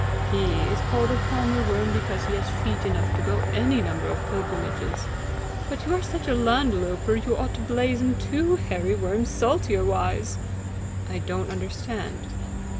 "He is called a palmer worm because he has feet enough to go any number of pilgrimages. But you are such a land louper, you ought to blazon two hairy worms saltier wise." "I don't understand."